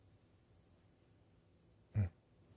うん。